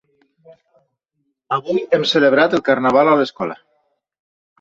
Avui hem celebrat el Carnaval a l'escola.